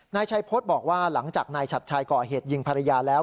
นายชัยพฤษบอกว่าหลังจากนายฉัดชัยก่อเหตุยิงภรรยาแล้ว